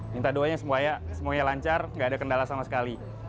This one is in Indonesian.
minta doanya semuanya lancar nggak ada kendala sama sekali